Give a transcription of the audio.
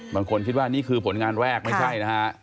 บางคนคิดว่านี่คือผลงานแรกไม่ใช่นะฮะ